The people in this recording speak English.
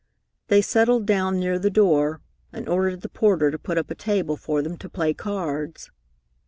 They settled down near the door, and ordered the porter to put up a table for them to play cards.